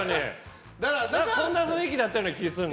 こんな雰囲気だったような気がする。